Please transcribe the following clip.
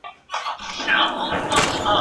هر ربات مو ګل غونډۍ کې هره دښته لاله زار کې